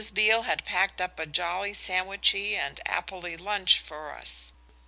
Beale had packed up a jolly sandwichy and apply lunch for us.